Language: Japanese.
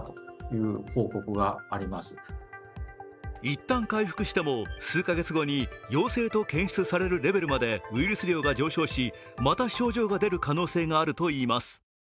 一旦回復しても、数カ月後に陽性と検出されるレベルまでウイルス量が上昇し、また症状が出る可能性があるといいます。